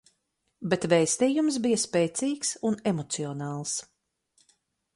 Bet vēstījums bija spēcīgs un emocionāls.